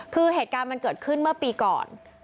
คือเหตุการณ์มันเกิดขึ้นเมื่อปีก่อน